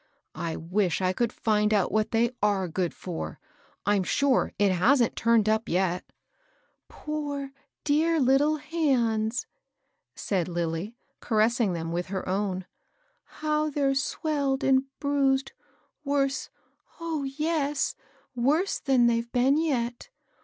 I wish I could find out what they are good for. I'm sure it hasn't turned up yet." " Poor, dear little hands I " said Lilly^ cai«s&\s\^ 208 MABKL H053. them with her own. " How they're swelled and bruised, worse — oh, yes I — worse than they've been yet.